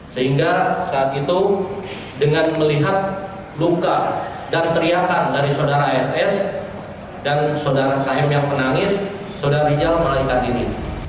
sehingga saat itu dengan melihat luka dan teriakan dari saudara ss dan saudara km yang menangis saudara melarikan diri